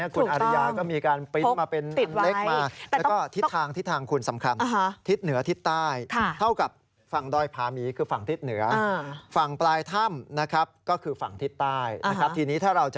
คุณอริยาก็มีการปรินต์มาเป็นอันเล็กมา